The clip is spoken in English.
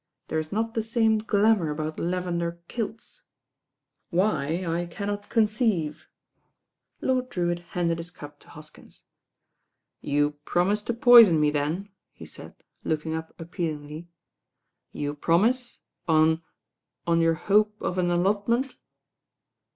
There is not the same glamour about lavender kilts. Why, I cannot conceive." Lord Drewitt handed his cup to Hoskins. 14S TII£ RAIN OIRL "You promise to poison me then," he said, look ing up appcalingly» "you promise on — on your hope of an allotment?"